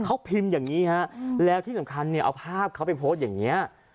เขาพิมพ์อย่างนี้ฮะแล้วที่สำคัญเนี่ยเอาภาพเขาไปโพสต์อย่างนี้